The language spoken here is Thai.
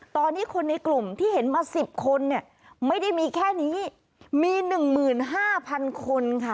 ตอนนี้คนในกลุ่มที่เห็นมาสิบคนเนี่ยไม่ได้มีแค่นี้มีหนึ่งหมื่นห้าพันคนค่ะ